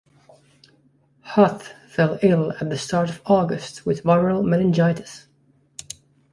Huth fell ill at the start of August with viral meningitis.